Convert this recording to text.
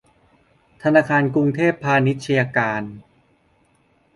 ธนาคารกรุงเทพพาณิชย์การ